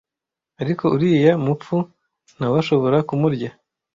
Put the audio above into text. ariko uriya mupfu ntawashobora kumurya